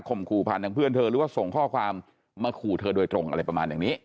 ขู่ผ่านทางเพื่อนเธอหรือว่าส่งข้อความมาขู่เธอโดยตรงอะไรประมาณอย่างนี้